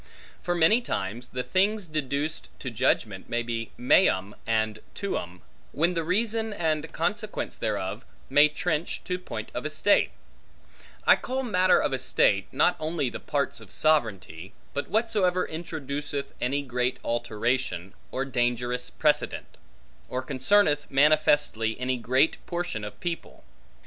For many times the things deduced to judgment may be meum and tuum, when the reason and consequence thereof may trench to point of estate: I call matter of estate, not only the parts of sovereignty, but whatsoever introduceth any great alteration, or dangerous precedent; or concerneth manifestly any great portion of people.